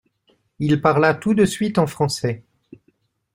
Il parla tout de suite en français.